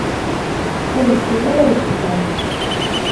Ur ittili ara deg-s lɛib.